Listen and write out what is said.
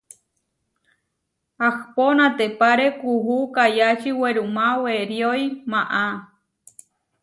Ahpó natepáre kuú kayáči werumá weriói maá.